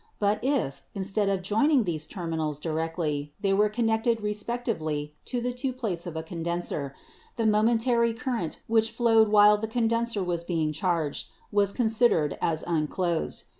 But if, instead of joining these terminals directly, they were connected respectively to the two plates of a con denser, the momentary current which flowed while the condenser was being charged was considered as unclosed.